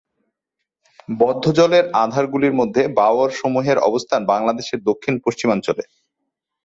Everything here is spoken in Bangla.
বদ্ধ জলের আধারগুলির মধ্যে বাওড় সমূহের অবস্থান বাংলাদেশের দক্ষিণ পশ্চিমাঞ্চলে।